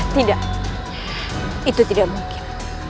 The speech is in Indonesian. tidak itu tidak mungkin